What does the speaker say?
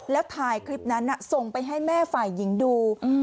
แล้วถ่ายคลิปนั้นส่งไปให้แม่ฝ่ายหญิงดู